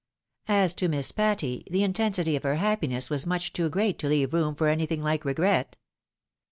As to Miss Patty, the intensity of her happiness was much too great to leave room for anything hke regret.